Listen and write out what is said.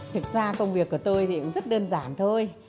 thực ra công việc của tôi thì cũng rất đơn giản thôi